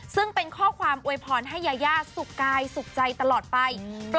ซึ่งเป็นข้อความอวยพรให้ยายาสุขกายสุขใจตลอดไป